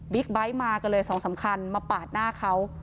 บิ๊กไบท์มาก็เลยสองสำคัญมาปากหน้าเขา